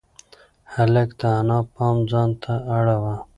هلک د انا پام ځان ته اړاوه.